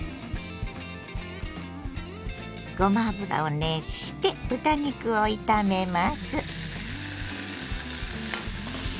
ごま油を熱して豚肉を炒めます。